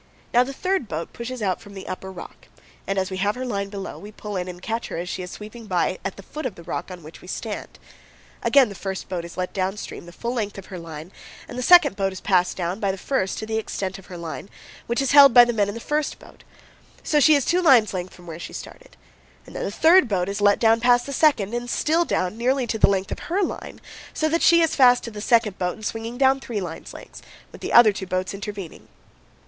Now the third boat pushes out from the upper rock, and, as we have her line below, we pull in and catch her as she is sweeping by at the foot of the rock on which we stand. Again the first boat is let down stream the full length of her line and the second boat is passed down, by the first to the extent of her line, which is held by the men in the first boat; so she is two lines' length from where she started. Then the third boat is let down past the second, and still down, nearly to the length of her line, so that she is fast to the second boat and swinging down three lines' lengths, with the other two boats intervening.